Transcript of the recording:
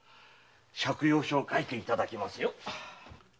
借用書を書いていただきますよ。